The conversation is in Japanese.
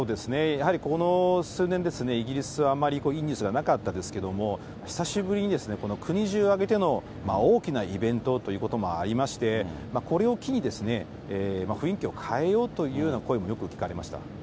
やはりこの数年、イギリスはあんまり、いいニュースがなかったですけれども、久しぶりに国じゅう挙げての大きなイベントということもありまして、これを機に、雰囲気を変えようというような声もよく聞かれました。